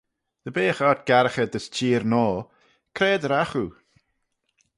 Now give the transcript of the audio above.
Dy beagh ort garraghey dys çheer noa, c'raad ragh oo?